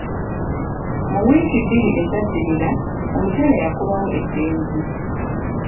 Mu wiiki bbiri ezaddirira, omukyala yakubawo eddenzi.